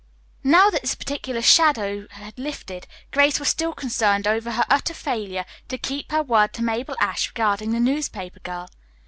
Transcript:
Now that this particular shadow had lifted, Grace was still concerned over her utter failure to keep her word to Mabel Ashe regarding the newspaper girl.